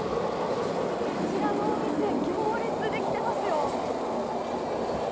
こちらのお店、行列できてますよ。